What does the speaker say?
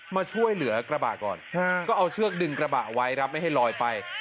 มาช่วยเหลือกระบะก่อนก็เอาเชือกดึงกระบะไว้ครับไม่ให้ลอยไป